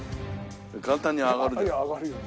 簡単に上がるね。